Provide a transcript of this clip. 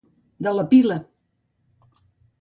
De la pila.